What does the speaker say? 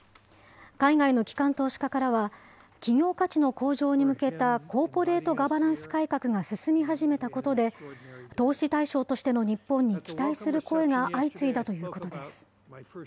海外の機関投資家からは、企業価値の向上に向けたコーポレート・ガバナンス改革が進み始めたことで、投資対象としての日本に期待する声が相次いだということです。